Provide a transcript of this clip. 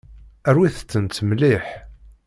Rwit-tent mliḥ.